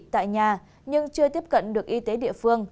tại nhà nhưng chưa tiếp cận được y tế địa phương